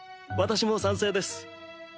私も賛成です。